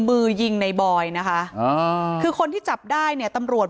มือยิงในบอยคือคนที่จับได้เนี่ย